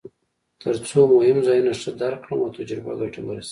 ترڅو مهم ځایونه ښه درک کړم او تجربه ګټوره شي.